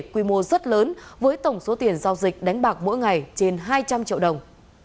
quy mô rất lớn với tổng số tiền giao dịch đánh bạc mỗi ngày trên hai trăm linh triệu đồng